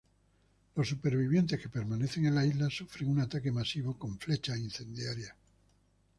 Los supervivientes que permanecen en la isla sufren un ataque masivo con flechas incendiarias.